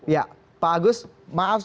ya pak agus maaf